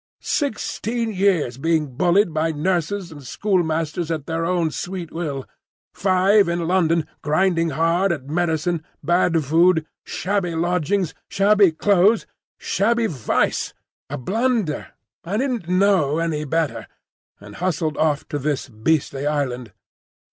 Sixteen years being bullied by nurses and schoolmasters at their own sweet will; five in London grinding hard at medicine, bad food, shabby lodgings, shabby clothes, shabby vice, a blunder,—I didn't know any better,—and hustled off to this beastly island.